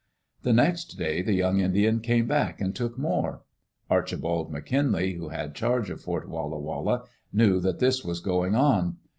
The next day the young Indian came back and took more. Archibald McKinlay, who had charge of Fort Walla Walla, knew that this was going on.